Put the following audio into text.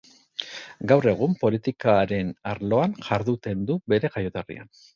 Gaur egun politikaren arloan jarduten du bere jaioterrian.